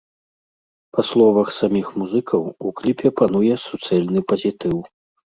Па словах саміх музыкаў, у кліпе пануе суцэльны пазітыў.